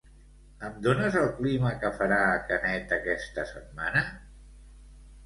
Em dones el clima que farà a Canet aquesta setmana?